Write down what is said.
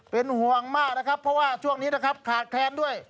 เป็นห่วงมากนะครับเพราะว่าช่วงนี้นะครับขาดแคลนด้วย